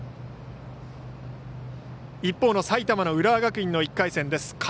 一方の埼玉の浦和学院の１回戦です。